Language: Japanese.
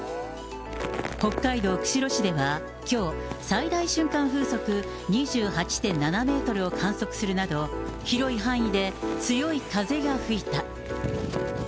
北海道釧路市ではきょう、最大瞬間風速２８．７メートルを観測するなど、広い範囲で強い風が吹いた。